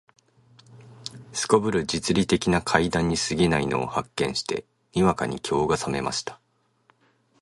頗る実利的な階段に過ぎないのを発見して、にわかに興が覚めました